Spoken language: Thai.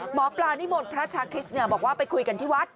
หมอปลานี่โหมดพระชาคริสต์เนี่ยบอกว่าไปคุยกันที่วัด